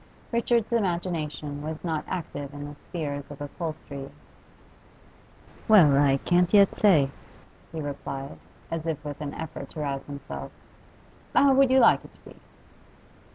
Richard's imagination was not active in the spheres of upholstery. 'Well, I can't yet say,' he replied, as if with an effort to rouse himself. 'How would you like it to be?